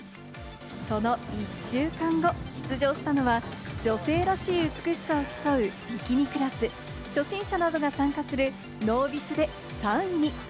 その１週間後、出場したのは女性らしい美しさを競うビキニクラス、初心者などが参加するノービスで３位に。